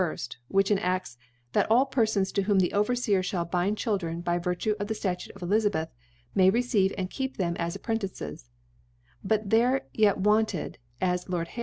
Cbarks (62) Charles 1 which enafts, * that all Perfons < to whom the Overfeers Ihall bind Chil « dren by Virtue of the Statute of EHz^ « may receive and keep them as Apprenti * ces/ Bur there ytC wanted, as Lord Ha!